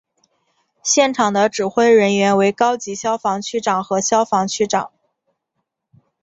现场的指挥人员为高级消防区长和消防区长。